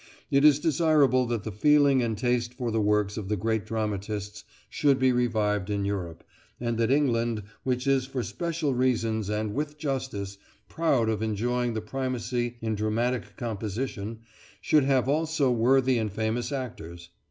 It is desirable that the feeling and taste for the works of the great dramatists should be revived in Europe, and that England, which is for special reasons, and with justice, proud of enjoying the primacy in dramatic composition, should have also worthy and famous actors.